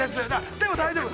でも大丈夫。